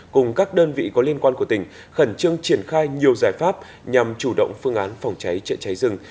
cùng các đơn vị có liên quan của tỉnh khẩn trương triển khai nhiều giải pháp nhằm chủ động phương án phòng cháy trợ cháy rừng